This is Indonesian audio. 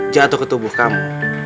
jatuh ke tubuh kamu